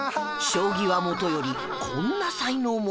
将棋はもとよりこんな才能も